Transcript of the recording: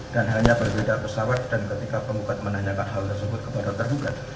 dan halnya berbeda pesawat dan ketika penggugat menanyakan hal tersebut kepada tergugat